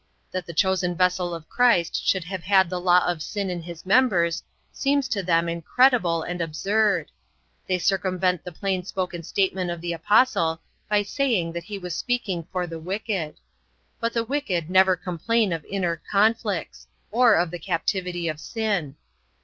That the chosen vessel of Christ should have had the law of sin in his members seems to them incredible and absurd. They circumvent the plain spoken statement of the Apostle by saying that he was speaking for the wicked. But the wicked never complain of inner conflicts, or of the captivity of sin.